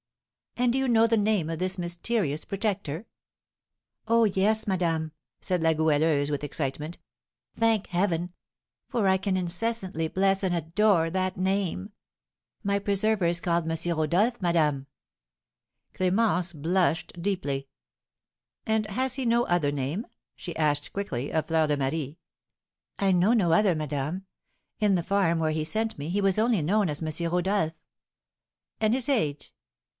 "And do you know the name of this mysterious protector?" "Oh, yes, madame," said La Goualeuse, with excitement; "thank Heaven! For I can incessantly bless and adore that name. My preserver is called M. Rodolph, madame." Clémence blushed deeply. "And has he no other name," she asked, quickly, of Fleur de Marie. "I know no other, madame. In the farm, where he sent me, he was only known as M. Rodolph." "And his age?"